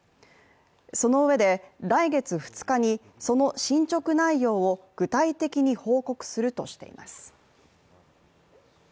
そのうえで来月２日に、その進捗内容を具体的に報告するとしています。